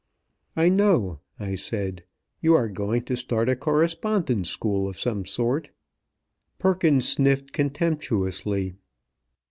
"I know," I said, "you are going to start a correspondence school of some sort." Perkins sniffed contemptuously.